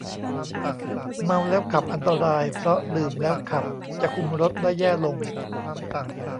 เมาแล้วขับอันตรายเพราะดื่มแล้วขับจะคุมรถได้แย่ลง